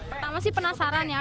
pertama sih penasaran ya